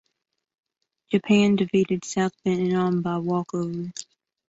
Japan defeated South Vietnam by walkover.